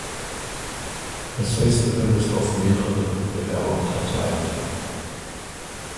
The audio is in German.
Das Festival ist auf mehrere Wettbewerbe unterteilt.